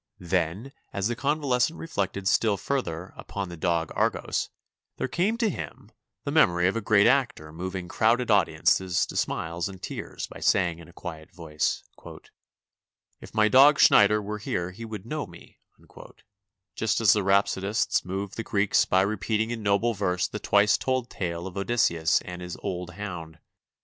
Then, as the convalescent reflected still further upon the dog Argos, there came to him the 284 DIVERSIONS OF A CONVALESCENT memoiy of a great actor moving crowded audiences to smiles and tears by saying in a quiet voice: "If my dog Schneider were here he would know me," just as the rhapsodists moved the Greeks by repeating in noble verse the twice told tale of Odysseus and his old hound.